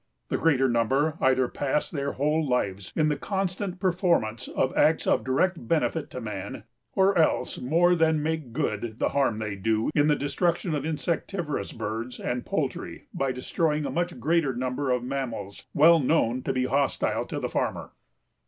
The greater number either pass their whole lives in the constant performance of acts of direct benefit to man or else more than make good the harm they do in the destruction of insectivorous birds and poultry by destroying a much greater number of mammals well known to be hostile to the farmer."